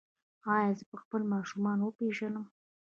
ایا زه به خپل ماشومان وپیژنم؟